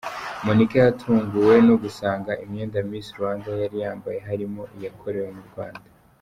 Monika yatunguwe no gusanga imyenda Miss Rwanda yari yambaye harimo iyakorewe mu Rwanda.